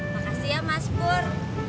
makasih ya mas pur